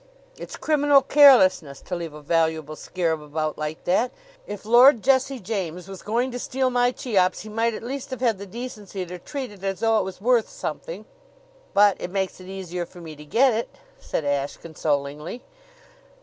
It's criminal carelessness to leave a valuable scarab about like that. If Lord Jesse James was going to steal my Cheops he might at least have had the decency to treat it as though it was worth something." "But it makes it easier for me to get it," said Ashe consolingly.